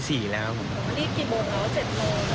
วันนี้กี่โมงแล้ว๗โมง